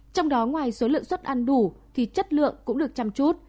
trong đó ngoài số lượng xuất ăn đủ thì chất lượng cũng được chăm chút